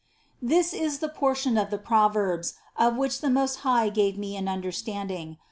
54. This is the portion of the Proverbs, of which the Most High gave me an understanding.